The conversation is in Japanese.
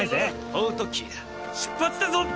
ポートキーだ・出発だぞ！